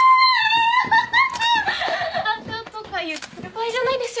アハハ！とか言ってる場合じゃないですよね。